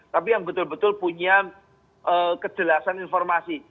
tapi yang betul betul punya kejelasan informasi